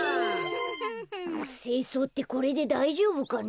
せいそうってこれでだいじょうぶかな？